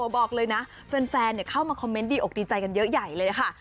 บอกเลยนะแฟนเข้ามาคอมเมนต์ดีอกดีใจกันเยอะใหญ่เลยค่ะ